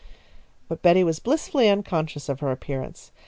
But Betty was blissfully unconscious of her appearance.